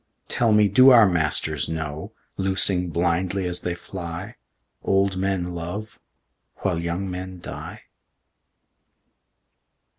Tell me, do our masters know, Loosing blindly as they fly, Old men love while young men die?